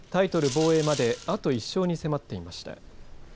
防衛まであと１勝に迫っていました。